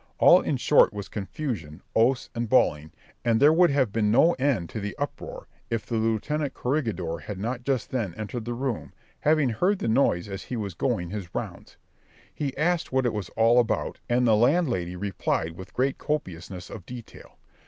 All in short was confusion, oaths, and bawling, and there would have been no end to the uproar if the lieutenant corregidor had not just then entered the room, having heard the noise as he was going his rounds. He asked what it was all about, and the landlady replied with great copiousness of detail.